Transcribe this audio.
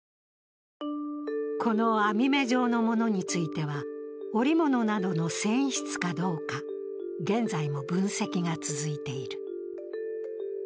この編み目状のものについては、織物などの繊維質かどうか、現在も分析が続いている。